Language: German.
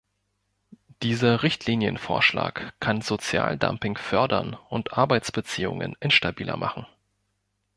Dieser Richtlinienvorschlag kann Sozialdumping fördern und Arbeitsbeziehungen instabiler machen.